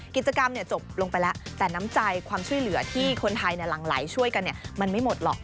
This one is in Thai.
กิจกรรมจบลงไปแล้วแต่น้ำใจความช่วยเหลือที่คนไทยหลั่งไหลช่วยกันมันไม่หมดหรอก